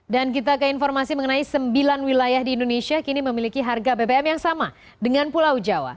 dan kita ke informasi mengenai sembilan wilayah di indonesia kini memiliki harga bbm yang sama dengan pulau jawa